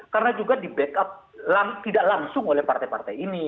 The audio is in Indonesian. karena juga di backup tidak langsung oleh partai partai ini